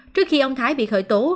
trước khi ông thái bị khởi tố